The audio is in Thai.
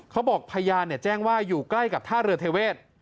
พยานแจ้งว่าอยู่ใกล้กับท่าเรือเทเวศ